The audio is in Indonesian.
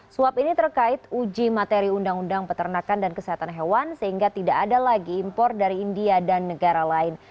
suap ini terkait uji materi undang undang peternakan dan kesehatan hewan sehingga tidak ada lagi impor dari india dan negara lain